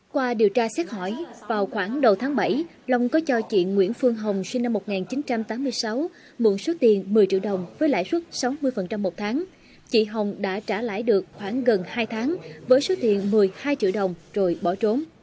qua điều tra xét hỏi vào khoảng đầu tháng bảy long có cho chị nguyễn phương hồng sinh năm một nghìn chín trăm tám mươi sáu mượn số tiền một mươi triệu đồng với lãi suất sáu mươi một tháng chị hồng đã trả lãi được khoảng gần hai tháng với số tiền một mươi hai triệu đồng rồi bỏ trốn